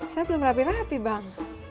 saya belum rapi rapi bang